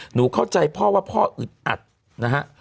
หนูเข้าใจพ่อว่าพ่ออึดอัดนะฮะ